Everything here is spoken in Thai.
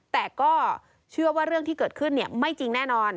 แต่ก็เชื่อว่าเรื่องที่เกิดขึ้นไม่จริงแน่นอน